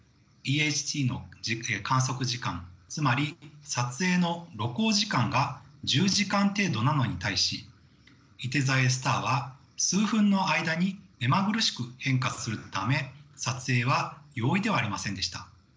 ＥＨＴの観測時間つまり撮影の露光時間が１０時間程度なのに対しいて座Ａスターは数分の間に目まぐるしく変化するため撮影は容易ではありませんでした。